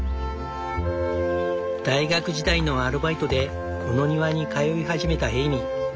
大学時代のアルバイトでこの庭に通い始めたエイミー。